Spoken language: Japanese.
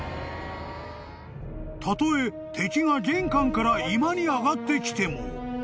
［たとえ敵が玄関から居間に上がってきても］